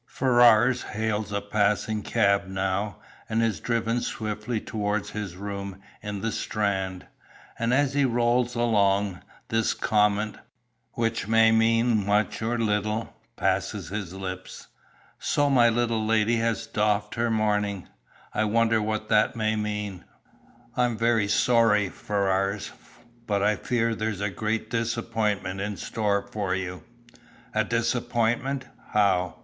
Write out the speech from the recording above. Ferrars hails a passing cab now, and is driven swiftly towards his room in the Strand, and as he rolls along, this comment, which may mean much or little, passes his lips. "So my little lady has doffed her mourning. I wonder what that may mean?" "I'm very sorry, Ferrars, but I fear there's a great disappointment in store for you." "A disappointment! How?